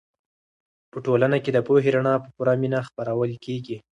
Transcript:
په ټولنه کې د پوهې رڼا په پوره مینه خپرول کېږي.